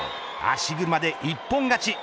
足車で一本勝ち。